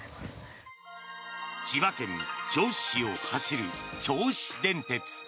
千葉県銚子市を走る銚子電鉄。